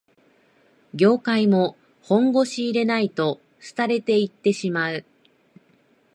業界も本腰入れないと廃れていってしまう